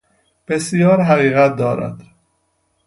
بسیار حقیقت دارد.